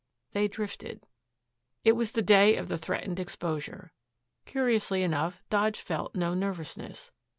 They drifted.... It was the day of the threatened exposure. Curiously enough, Dodge felt no nervousness.